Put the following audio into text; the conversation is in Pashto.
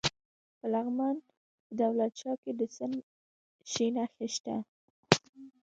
د لغمان په دولت شاه کې د څه شي نښې دي؟